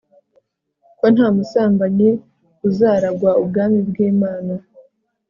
ko nta musambanyi uzaragwa ubwami bw'imana